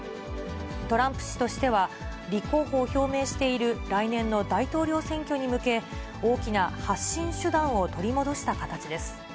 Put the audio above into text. トランプ氏としては、立候補を表明している来年の大統領選挙に向け、大きな発信手段を取り戻した形です。